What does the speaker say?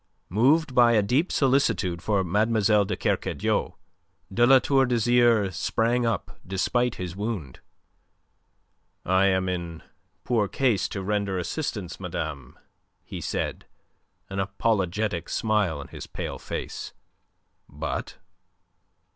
Moved by a deep solicitude for Mademoiselle de Kercadiou, de La Tour d'Azyr sprang up despite his wound. "I am in poor case to render assistance, madame," he said, an apologetic smile on his pale face. "But..."